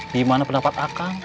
gimana pendapat a kang